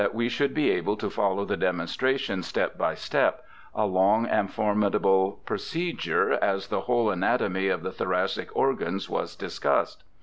HARVEY 315 should be able to follow the demonstration step by step — a long and formidable procedure, as the whole anatomy of the thoracic organs was discussed.